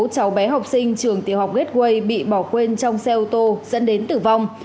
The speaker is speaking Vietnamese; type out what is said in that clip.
cháu bé học sinh trường tiểu học gatway bị bỏ quên trong xe ô tô dẫn đến tử vong